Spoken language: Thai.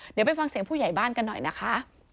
เดี๋ยวไปฟังเสียงผู้ใหญ่บ้านกันหน่อยนะคะ